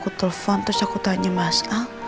kalo aku telfon terus aku tanya masal